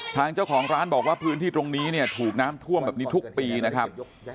ทางเจ้าของร้านบอกว่าพื้นที่ตรงนี้เนี่ยถูกน้ำท่วมแบบนี้ทุกปีนะครับ